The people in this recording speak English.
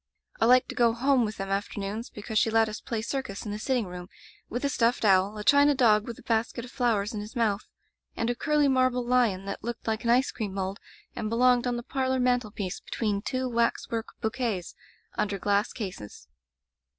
I liked to go home with them afternoons, because she let us play circus in the sitting room, with a stuffed owl, a china dog with a basket of flowers in his mouth, and a curly marble lion that looked like an ice cream mold and belonged on the parlor mantel piece between two waxwork bouquets under glass cases.